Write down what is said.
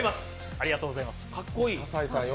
ありがとうございます。